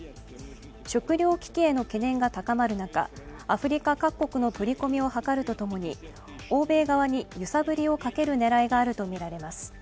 食糧危機への懸念が高まる中アフリカ各国の取り込みを図るとともに欧米側に揺さぶりをかける狙いがあるとみられます。